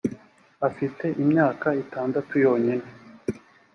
afite imyaka itandatu yonyine.